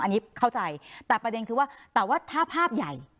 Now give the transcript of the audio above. อันนี้เข้าใจแต่ประเด็นคือว่าแต่ว่าถ้าภาพใหญ่